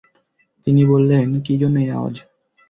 তিনি বললেন, কি জন্য এই আওয়াজ?